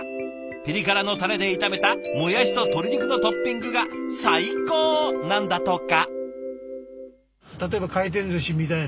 ピリ辛のたれで炒めたもやしと鶏肉のトッピングが最高なんだとか。